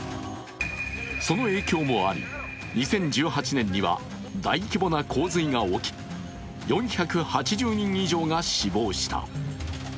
その影響もあり、２０１８年には大規模な洪水が起き４８０人以上が死亡した。